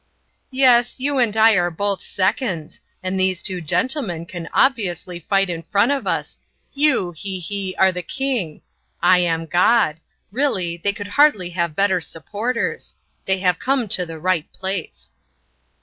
"Yes, you and I are both seconds and these two gentlemen can obviously fight in front of us. You, he he, are the king. I am God; really, they could hardly have better supporters. They have come to the right place."